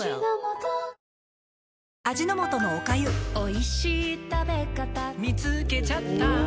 味の素のおかゆ「おいしい食べ方」「みつけちゃった」